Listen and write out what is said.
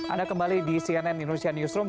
anda kembali di cnn indonesia newsroom